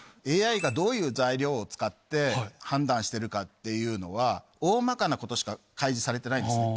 ＡＩがどういう材料を使って判断してるかっていうのは大まかなことしか開示されてないんですね。